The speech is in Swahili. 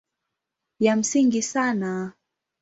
Ya msingi sana